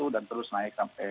dan terus naik sampai